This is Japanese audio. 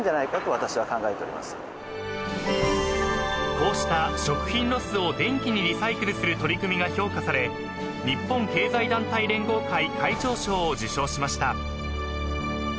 ［こうした食品ロスを電気にリサイクルする取り組みが評価され日本経済団体連合会会長賞を受賞しました］